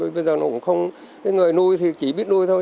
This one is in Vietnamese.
bây giờ người nuôi thì chỉ biết nuôi thôi